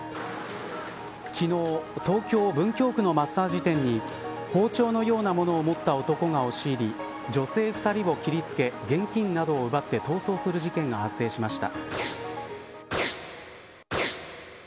昨日、東京、文京区のマッサージ店に包丁のようなものを持った男が押し入り女性２人を切り付け現金などを奪って逃走する事件が発生しました。